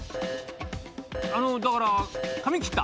だから髪切った。